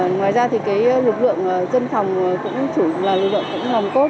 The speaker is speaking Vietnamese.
ngoài ra thì cái lực lượng dân phòng cũng chủ là lực lượng cũng hòm cốt